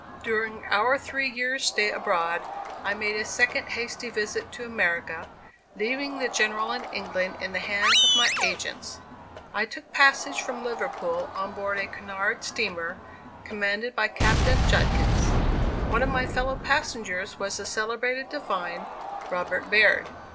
During our three years' stay abroad, I made a second hasty visit to America, leaving the General in England in the hands of my agents. I took passage from Liverpool on board a Cunard steamer, commanded by Captain Judkins. One of my fellow passengers was the celebrated divine, Robert Baird.